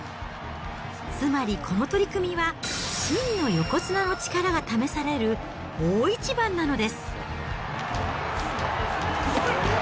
つまり、この取組は、真の横綱の力が試される、大一番なのです。